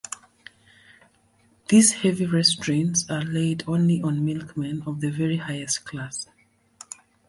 These heavy restraints are laid only on milkmen of the very highest class.